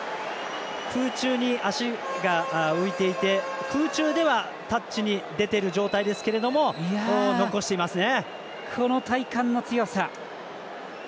空中に足が浮いていて空中では、タッチに出ている状態ですが残していますね。